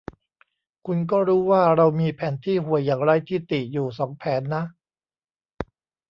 คุณก็รู้ว่าเรามีแผนที่ห่วยอย่างไร้ที่ติอยู่สองแผนนะ